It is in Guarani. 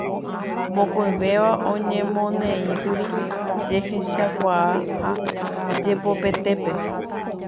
Mokõivéva oñemoneíkuri jehechakuaa ha jepopetépe.